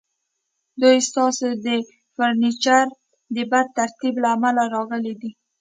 دوی ستاسو د فرنیچر د بد ترتیب له امله راغلي دي